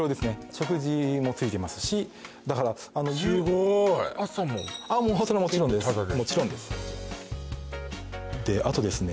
食事もついてますしだからすごーい朝も全部タダでそれはもちろんですあとですね